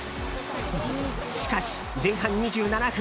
しかし、前半２７分。